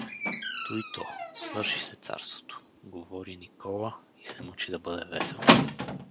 — Туйто! Свърши се царството! — говори Никола н се мъчи да бъде весел.